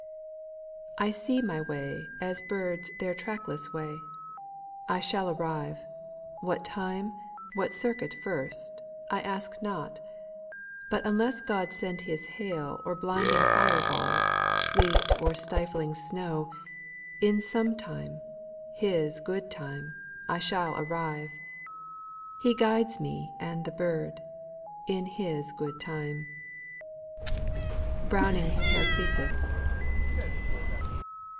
I see my way as birds their trackless way I shall arrive! what time, what circuit first, I ask not: but unless God sends his hail Or blinding fire balls, sleet, or stifling snow, In some time his good time I shall arrive; He guides me and the bird. In His good time! BROWNING'S PARACELSUS.